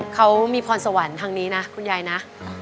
เขามีพรสวรรค์ทางนี้นะคุณยายนะ